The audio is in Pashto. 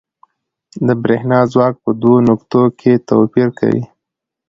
د برېښنا ځواک په دوو نقطو کې توپیر کوي.